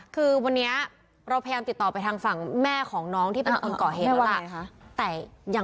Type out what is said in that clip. คือวันนี้เราพยายามติดต่อไปทางฝั่งแม่ของน้องที่เป็นคนก่อเหตุแล้วล่ะ